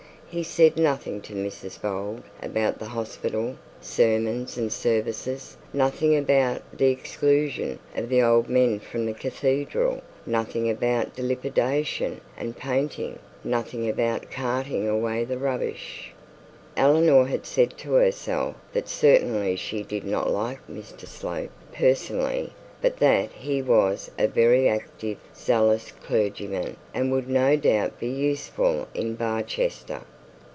He said nothing to Mrs Bold about the hospital sermons and services, nothing about the exclusion of the old men from the cathedral, nothing about dilapidation and painting, nothing about carting away the rubbish. Eleanor had said to herself that certainly she did not like Mr Slope personally, but that he was a very active, zealous, clergyman, and would no doubt be useful in Barchester.